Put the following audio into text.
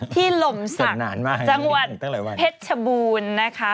หล่มศักดิ์จังหวัดเพชรชบูรณ์นะคะ